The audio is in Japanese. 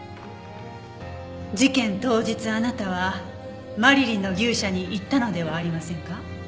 事件当日あなたはマリリンの牛舎に行ったのではありませんか？